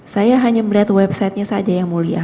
saya hanya melihat websitenya saja yang mulia